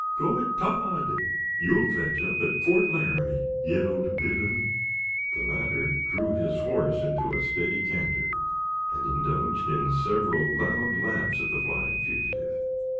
"Go it, Todd! you'll fetch up at Fort Laramie," yelled Biddon. The latter drew his horse into a steady canter, and indulged in several loud laughs at the flying fugitive.